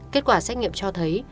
kết quả xét nghiệm cho thấy